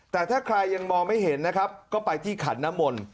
แต่ถ้าใครยังมองไม่เห็นนะครับก็ไปที่ขันน้ำมนต์